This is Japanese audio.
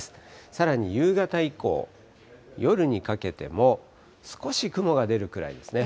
さらに夕方以降、夜にかけても、少し雲が出るくらいですね。